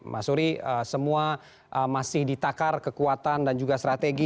mas uri semua masih ditakar kekuatan dan juga strategi